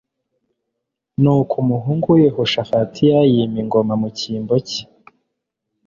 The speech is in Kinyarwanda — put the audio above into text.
Nuko umuhungu we Yehoshafatia yima ingoma mu cyimbo cye